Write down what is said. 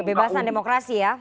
kebebasan demokrasi ya